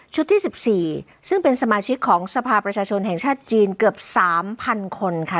ที่๑๔ซึ่งเป็นสมาชิกของสภาประชาชนแห่งชาติจีนเกือบ๓๐๐คนค่ะ